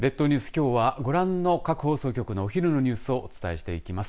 きょうはご覧の各放送局のお昼のニュースをお伝えしていきます。